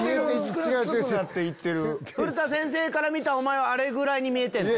古田先生から見たお前はあれぐらいに見えてる。